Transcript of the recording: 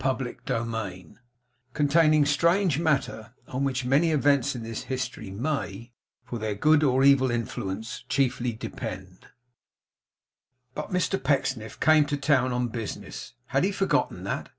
CHAPTER TEN CONTAINING STRANGE MATTER, ON WHICH MANY EVENTS IN THIS HISTORY MAY, FOR THEIR GOOD OR EVIL INFLUENCE, CHIEFLY DEPEND But Mr Pecksniff came to town on business. Had he forgotten that?